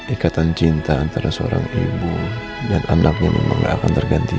ikatan cinta antara seorang ibu dan anaknya memang tidak akan terganti